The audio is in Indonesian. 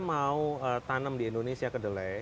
mau tanam di indonesia kedelai